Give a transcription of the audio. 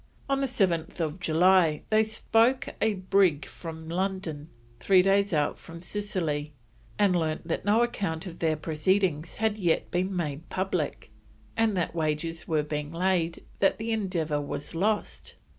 On 7th July they spoke a brig from London, three days out from Scilly, and learnt that no account of their proceedings had yet been made public, and that wagers were being laid that the Endeavour was lost.